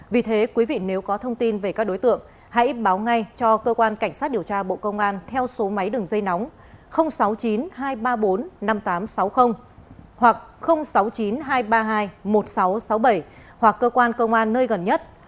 vì thế quý vị nếu có thông tin về các đối tượng hãy báo ngay cho cơ quan cảnh sát điều tra bộ công an theo số máy đường dây nóng sáu mươi chín hai trăm ba mươi bốn năm nghìn tám trăm sáu mươi hoặc sáu mươi chín hai trăm ba mươi hai một nghìn sáu trăm sáu mươi bảy hoặc cơ quan công an nơi gần nhất